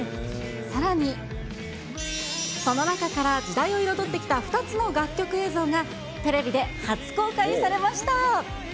さらに、その中から時代を彩ってきた２つの楽曲映像が、テレビで初公開されました。